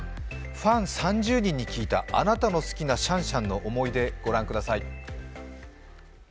ファン３０人に聞いたあなたの好きなシャンシャンの思い出、ご覧ください。